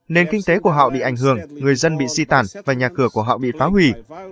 nền kinh tế của họ bị ảnh hưởng người dân bị di tản và nhà cửa của họ bị phá hủy